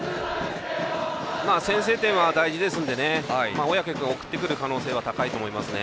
先制点は大事ですので小宅君を送ってくる可能性は高いと思いますね。